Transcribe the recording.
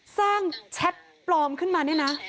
แชทปลอมขึ้นมาเนี่ยนะ